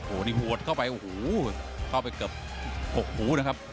โอ้โหนี่หัวเข้าไปโอ้โหเข้าไปเกือบกกหูนะครับ